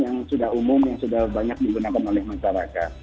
yang sudah umum yang sudah banyak digunakan oleh masyarakat